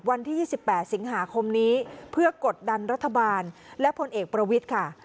วันที่๒๘สิงหาคมนี้เพื่อกดดันรัฐบาลและพลเอกประวิทย์ค่ะ